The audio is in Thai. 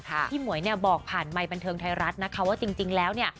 พี่หมวยเนี่ยบอกผ่านไมค์บันเทิงไทยรัฐนะคะว่าจริงแล้วเนี่ย